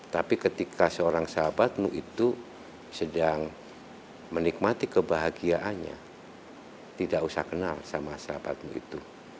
tapi ketika seorang sahabatmu itu sedang menikmati kebahagiaannya tidak usah kenal sama sahabatmu itu